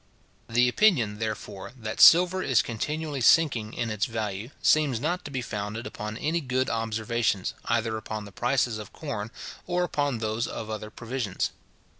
The opinion, therefore, that silver is continually sinking in its value, seems not to be founded upon any good observations, either upon the prices of corn, or upon those of other provisions.